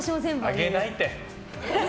あげないって。